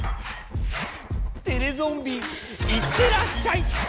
テレゾンビいってらっしゃい！